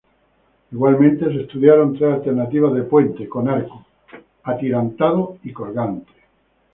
Igualmente, se estudiaron tres alternativas de puente: con arco, atirantado y colgante.